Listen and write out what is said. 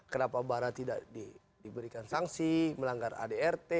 kenapa barra tidak diberikan sangsi melanggar adrt